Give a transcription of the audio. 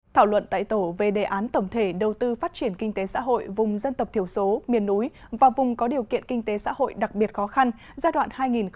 thảo luận tại tổ về đề án tổng thể đầu tư phát triển kinh tế xã hội vùng dân tộc thiểu số miền núi và vùng có điều kiện kinh tế xã hội đặc biệt khó khăn giai đoạn hai nghìn hai mươi một hai nghìn ba mươi